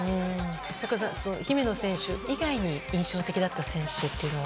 櫻井さん、姫野選手以外に印象的だった選手というのは？